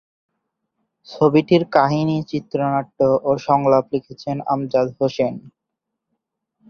ছবিটির কাহিনী, চিত্রনাট্য ও সংলাপ লিখেছেন আমজাদ হোসেন।